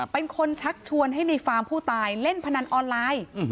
เป็นคนชักชวนให้ในฟาร์มผู้ตายเล่นพนันออนไลน์